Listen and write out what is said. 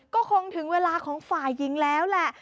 ก็คงถึงเวลาของฝ่ายหญิงแล้วแหละ